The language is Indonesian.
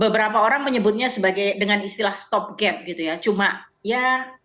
beberapa orang menyebutnya sebagai dengan istilah stop gap gitu ya cuma ya